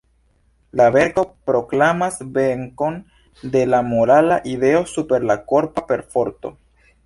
La verko proklamas venkon de la morala ideo super la korpa perforto.